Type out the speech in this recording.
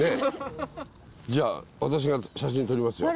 じゃあ私が写真撮りますよ。